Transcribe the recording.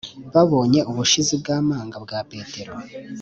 Babonye ubushizi bw amanga bwa petero